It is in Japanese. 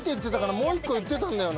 もう１個言ってたんだよな。